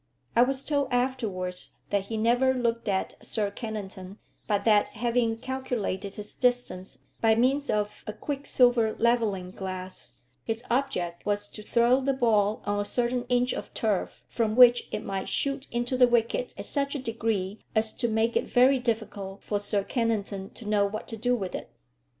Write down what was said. I was told afterwards that he never looked at Sir Kennington, but that, having calculated his distance by means of a quicksilver levelling glass, his object was to throw the ball on a certain inch of turf, from which it might shoot into the wicket at such a degree as to make it very difficult for Sir Kennington to know what to do with it.